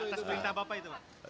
atas perintah bapak itu pak